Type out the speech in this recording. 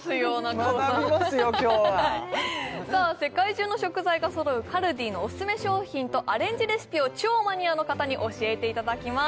中尾さん学びますよ今日は世界中の食材が揃うカルディのオススメ商品とアレンジレシピを超マニアの方に教えていただきます